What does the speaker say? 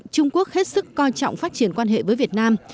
trung quốc hết sức coi trọng phát triển quan hệ với việt nam